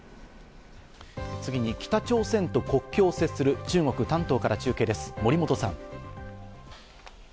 次に北朝鮮と国境を接する中国・丹東から中継です、森本さん。